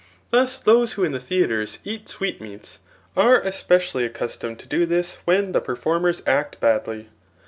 Thus, those who in the theatr&s eat sweetmeats, are especially accu9« tomed to do this when the performers act badly.